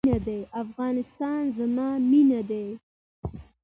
افغانستان زما مینه ده؟